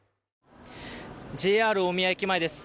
ＪＲ大宮駅前です。